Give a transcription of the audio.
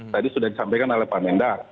tadi sudah disampaikan oleh pak mendak